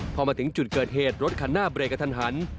พอมาถึงจุดเกิดเหตุรถคันหน้าเบรกกระทันหัน